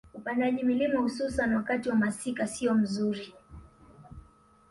Upandaji mlima hususan wakati wa masika siyo mzuri